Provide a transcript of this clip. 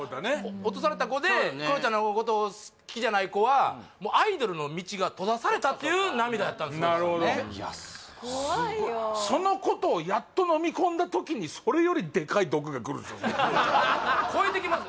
落とされた子でクロちゃんのことを好きじゃない子はもうアイドルの道が閉ざされたっていう涙やったんですなるほどいやすごいそのことをやっとのみこんだ時にそれよりでかい毒がくるって超えてきます